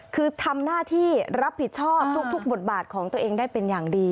คือทำหน้าที่รับผิดชอบทุกบทบาทของตัวเองได้เป็นอย่างดี